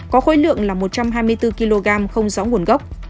có khối lượng là một trăm hai mươi bốn kg không rõ nguồn gốc